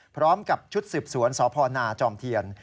พร้อมกับชุดสืบสวนสพนาจอมเทียน